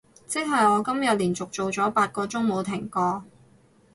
即係我今日連續做咗八個鐘冇停過